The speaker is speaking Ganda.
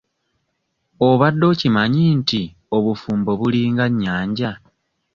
Obadde okimanyi nti obufumbo bulinga nnyanja?